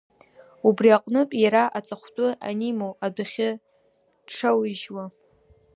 Убри аҟнытә, иара аҵатәхәы анимоу, адәахьы дшауижьуа.